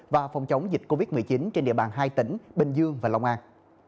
và phòng chống dịch covid một mươi chín trên địa bàn hai tỉnh bình dương và long an